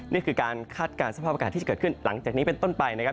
นี่คือการคาดการณ์สภาพอากาศที่จะเกิดขึ้นหลังจากนี้เป็นต้นไปนะครับ